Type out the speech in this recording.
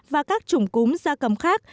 và các chủng cúm gia cầm khác